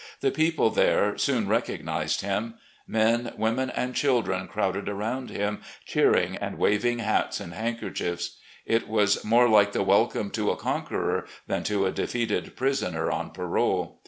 The people there soon recognised him; men, women, and children crowded around him, cheering and waving hats and handkerchiefs. It was more like the welcome to a conqueror than to a defeated prisoner on parole.